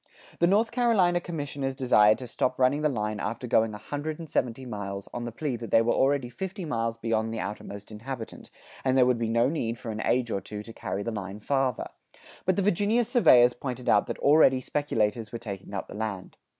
[94:3] The North Carolina commissioners desired to stop running the line after going a hundred and seventy miles, on the plea that they were already fifty miles beyond the outermost inhabitant, and there would be no need for an age or two to carry the line farther; but the Virginia surveyors pointed out that already speculators were taking up the land.